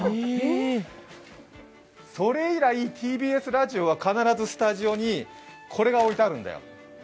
それ以来、ＴＢＳラジオは、必ずスタジオにこれが置いてあるんだよ。